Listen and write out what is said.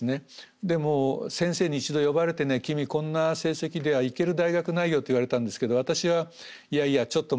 でも先生に一度呼ばれてね君こんな成績では行ける大学ないよと言われたんですけど私はいやいやちょっと待てと。